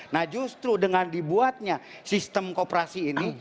nah justru dengan dibuatnya sistem kooperasi ini